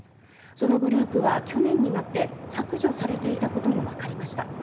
そのグループは去年になって削除されていたこともわかりました。